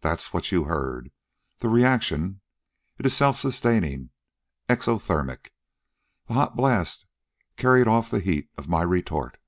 That's what you heard the reaction. It it self sustaining, exothermic. That hot blast carried off the heat of my retort."